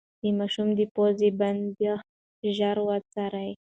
د ماشوم د پوزې بندښت ژر وڅارئ.